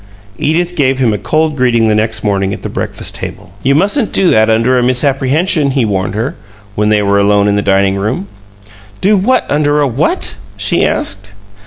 Edith gave him a cold greeting the next morning at the breakfast table. "You mustn't do that under a misapprehension," he warned her, when they were alone in the dining room. "Do what under a what?" she asked.